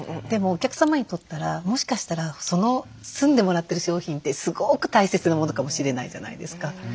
でもお客様にとったらもしかしたらその包んでもらってる商品ってすごく大切な物かもしれないじゃないですか。